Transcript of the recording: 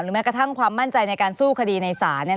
แม้กระทั่งความมั่นใจในการสู้คดีในศาล